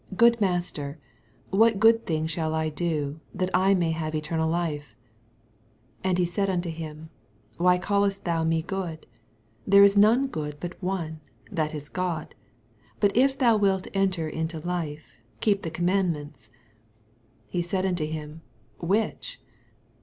Good Master, what good thing shall I do, that I maj have eternal life ? 17 And he said unto him^ Why callest thou me good ? there %8 none good but one, t^t is God : but if thou wilt enter into life, keep the com> mandments. 18 He said unto hirn. Which